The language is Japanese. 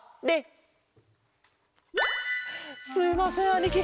すいませんあにき。